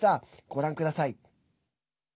ご覧ください。